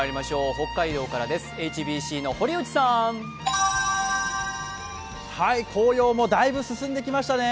北海道からです、ＨＢＣの堀内さん。紅葉もだいぶ進んできましたね。